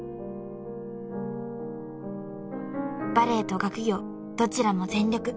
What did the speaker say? ［バレーと学業どちらも全力］